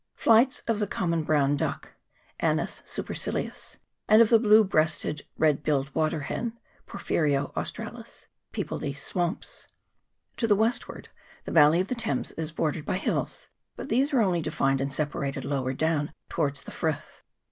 Flights of the common brown duck, 1 and of the blue breasted red billed water hen, 2 people these swamps. To the westward the valley of the Thames is bordered by hills ; but these are only denned and separated lower down towards the frith.